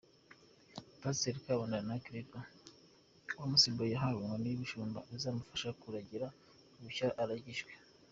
Pasiteri Kabandana Claver wamusimbuwe , yahawe inkoni y’ubushyumba izamufasha kuragira ubushyo aragijwe .